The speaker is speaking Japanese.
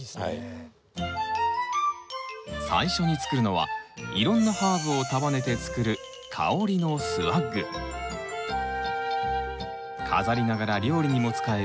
最初に作るのはいろんなハーブを束ねて作る飾りながら料理にも使える